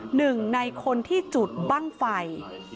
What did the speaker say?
หนึ่งในคนที่จุดบ้างไฟ